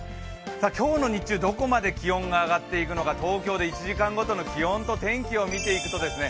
今日の日中、どこまで気温が上がっていくのか東京で１時間ごとの気温と天気を見ていくとですね